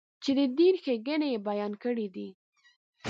چې د دین ښېګڼې یې بیان کړې دي.